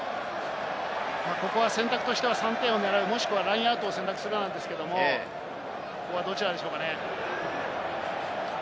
ここは選択としては３点を狙う、もしくはラインアウトを選択するんですけれども、ここはどちらでしょうかね？